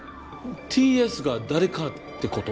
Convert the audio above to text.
Ｔ・Ｓが誰かってこと？